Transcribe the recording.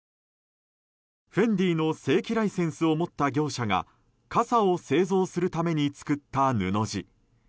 ＦＥＮＤＩの正規ライセンスを持った業者が傘を製造するために作った布地。